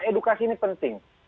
edukasi ini penting